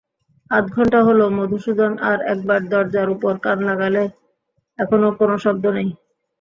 আধঘণ্টা হল– মধুসূদন আর-একবার দরজার উপর কান লাগালে, এখনো কোনো শব্দ নেই।